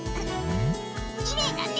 きれいだね！